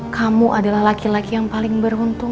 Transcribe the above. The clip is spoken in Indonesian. kamu adalah laki laki yang paling beruntung